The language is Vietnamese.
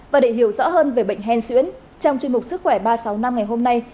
và để hiểu rõ hơn về bệnh hen xuyễn trong chương trình sức khỏe ba trăm sáu mươi năm ngày hôm nay